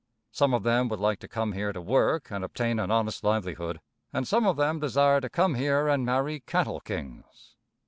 Some of them would like to come here to work and obtain an honest livelihood, and some of them desire to come here and marry cattle kings.